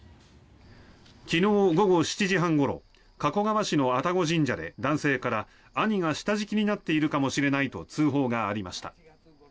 昨日午後７時半ごろ加古川市の愛宕神社で男性から、兄が下敷きになっているかもしれないと通報がありました。